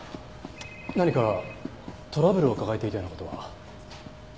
何かトラブルを抱えていたような事は？